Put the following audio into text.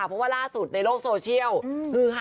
เพราะว่าล่าสุดในโลกโซเชียลคือฮา